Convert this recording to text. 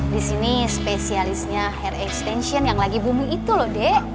di sini spesialisnya hair extension yang lagi bumi itu loh dek